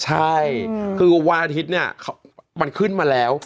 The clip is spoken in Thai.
ใช่คือว่าอาทิตย์มันขึ้นมาแล้ว